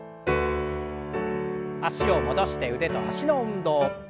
脚を戻して腕と脚の運動。